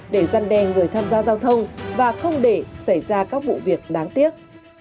để dân đề người tham gia giao thông và không để xảy ra các vụ việc đáng tiếc